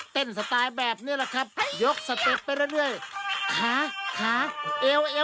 เต้นสไตล์แบบนี้แหละครับยกสเต็ปไปเรื่อย